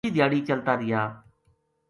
پوری دھیاڑی چلتا رہیا